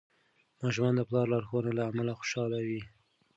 ماشومان د پلار لارښوونو له امله خوشحال وي.